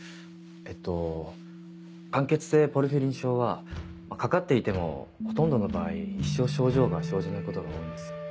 えっと間欠性ポルフィリン症はかかっていてもほとんどの場合一生症状が生じないことが多いんです。